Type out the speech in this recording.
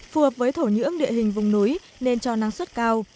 phù hợp với thổ nhưỡng địa hình vùng núi nên cho năng suất cao